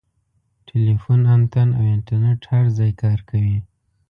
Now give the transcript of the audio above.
ټیلیفون انتن او انټرنیټ هر ځای کار کوي.